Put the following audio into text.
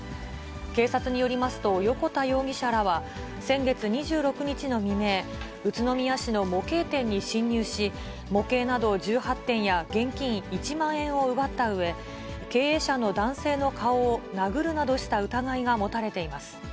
警察によりますと、横田容疑者らは、先月２６日の未明、宇都宮市の模型店に侵入し、模型など１８点や、現金１万円を奪ったうえ、経営者の男性の顔を殴るなどした疑いが持たれています。